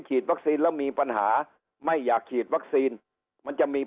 วัคซีนแล้วมีปัญหาไม่อยากฉีดวัคซีนมันจะมี